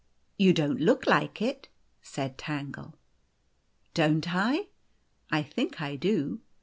" You don't look like it," said Tangle. " Don't I ? I think I do.